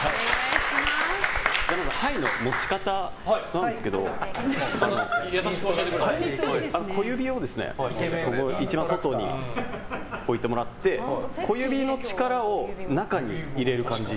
牌の持ち方なんですけど小指を一番外に置いてもらって小指の力を中に入れる感じ。